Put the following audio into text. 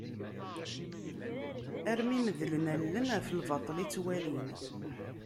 Armi medlen allen ɣef lbaṭel i ttwalin.